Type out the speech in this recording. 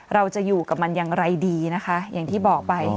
เราจะอยู่กับมันอย่างไรดีนะคะอย่างที่บอกไป